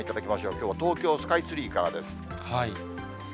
きょうは東京スカイツリーからです。